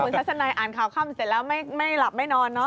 ทัศนัยอ่านข่าวค่ำเสร็จแล้วไม่หลับไม่นอนเนาะ